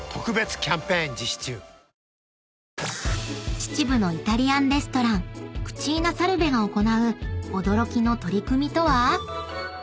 ［秩父のイタリアンレストランｃｕｃｉｎａｓａｌｖｅが行う驚きの取り組みとは？］